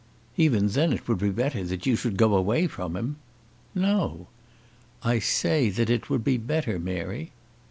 "Even then it would be better that you should go away from him." "No!" "I say that it would be better, Mary."